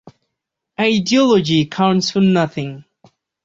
Ideology counts for nothing.